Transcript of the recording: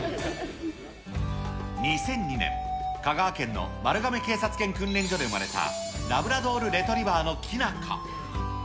２００２年、香川県の丸亀警察犬訓練所で生まれたラブラドールレトリバーのきな子。